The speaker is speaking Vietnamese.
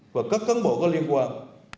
và các cân bộ có liên quan